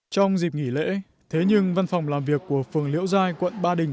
trong dịp nghỉ lễ thế nhưng văn phòng làm việc của phường liễu giai quận ba đình